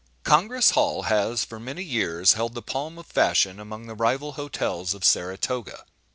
Congress Hall has for many years held the palm of fashion among the rival Hotels of Saratoga.